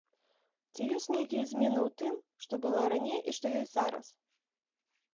Ці ёсць нейкія змены ў тым, што было раней і што ёсць зараз?